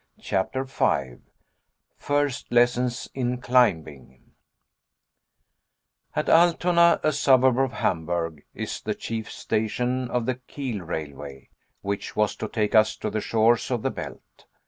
CHAPTER 5 First Lessons in Climbing At Altona, a suburb of Hamburg, is the Chief Station of the Kiel railway, which was to take us to the shores of the Belt.